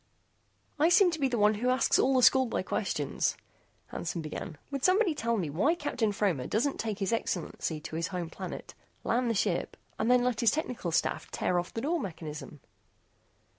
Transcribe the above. "I seem to be the one who asks all the schoolboy questions," Hansen began, "would somebody tell me why Captain Fromer doesn't take His Excellency to his home planet, land the ship, and then let his technical staff tear off the door mechanism?"